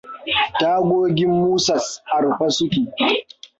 Tagogin Musas a rufe suke.